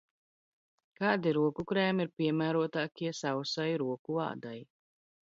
Kādi roku krēmi ir piemērotākie sausai roku ādai?